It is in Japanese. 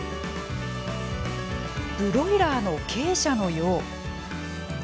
「ブロイラーの鶏舎のよう」